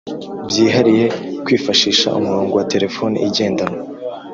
byihariye kwifashisha umurongo wa telefoni igendanwa